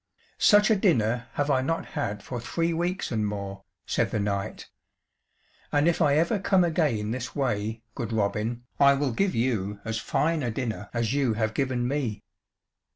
"Such a dinner have I not had for three weeks and more," said the knight. "And if I ever come again this way, good Robin, I will give you as fine a dinner as you have given me."